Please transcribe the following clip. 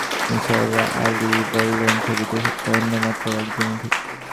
নিসার আলি বললেন, ছবিটি এসেছে অন্য মাত্রার এক জীবন থেকে।